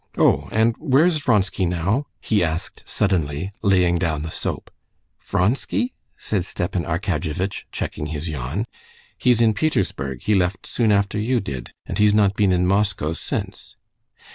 Oh, and where's Vronsky now?" he asked suddenly, laying down the soap. "Vronsky?" said Stepan Arkadyevitch, checking his yawn; "he's in Petersburg. He left soon after you did, and he's not once been in Moscow since.